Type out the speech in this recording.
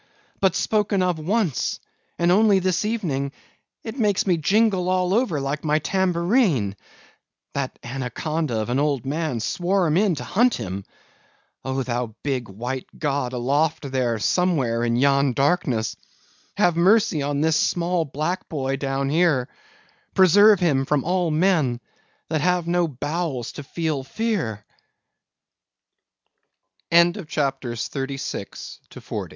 —but spoken of once! and only this evening—it makes me jingle all over like my tambourine—that anaconda of an old man swore 'em in to hunt him! Oh, thou big white God aloft there somewhere in yon darkness, have mercy on this small black boy down here; preserve him from all men that have no